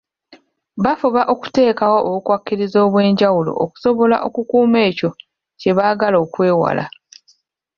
Bafuba okuteekawo obukwakkulizo obw’enjawulo obusobola okukuuma ekyo kye baagala okwewala.